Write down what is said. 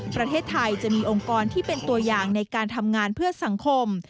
ประเทศไทยจะมีองค์กรที่เป็นตัวอย่างในการทำงานเพื่อสังคม